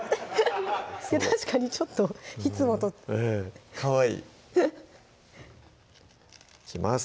確かにちょっといつもとかわいい！いきます